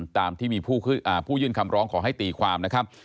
ตามที่มีผู้ยื่นคำร้องขอให้ตีความนะครับ